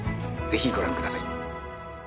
ぜひご覧ください